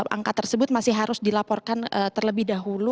angka tersebut masih harus dilaporkan terlebih dahulu